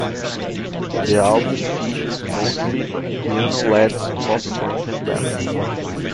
The album features mostly piano-led pop songs and ballads.